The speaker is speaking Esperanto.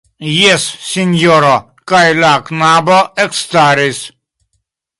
Jes, sinjoro, kaj la knabo ekstaris.